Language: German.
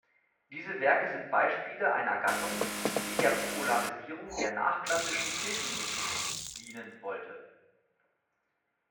Diese Werke sind Beispiele einer Gattung, die der Popularisierung der nachklassischen Kirchenmusik dienen wollte.